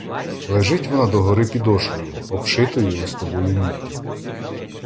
Лежить вона догори підошвою, обшитою листовою міддю.